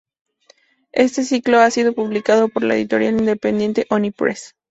Este ciclo ha sido publicado por la editorial independiente Oni Press.